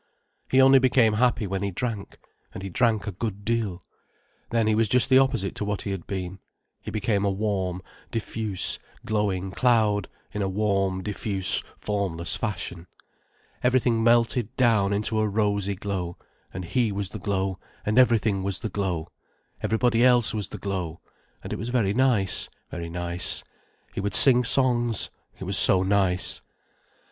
He only became happy when he drank, and he drank a good deal. Then he was just the opposite to what he had been. He became a warm, diffuse, glowing cloud, in a warm, diffuse formless fashion. Everything melted down into a rosy glow, and he was the glow, and everything was the glow, everybody else was the glow, and it was very nice, very nice. He would sing songs, it was so nice.